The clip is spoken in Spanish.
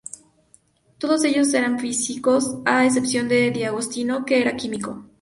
Todos ellos eran físicos, a excepción de D'Agostino, que era químico.